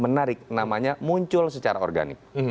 menarik namanya muncul secara organik